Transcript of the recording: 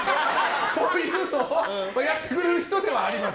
こういうのをやってくれる人ではあります。